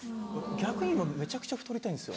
逆に今めちゃくちゃ太りたいんですよ。